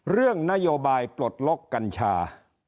เรื่องนโยบายปลดล็อกกัญชา